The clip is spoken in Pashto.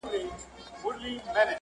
د افغاني مېلمه پالني